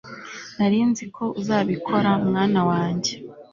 nari nzi ko uzabikora, mwana wanjye